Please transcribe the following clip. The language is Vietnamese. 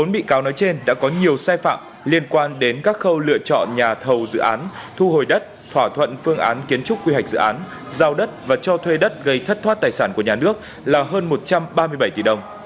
bốn bị cáo nói trên đã có nhiều sai phạm liên quan đến các khâu lựa chọn nhà thầu dự án thu hồi đất thỏa thuận phương án kiến trúc quy hoạch dự án giao đất và cho thuê đất gây thất thoát tài sản của nhà nước là hơn một trăm ba mươi bảy tỷ đồng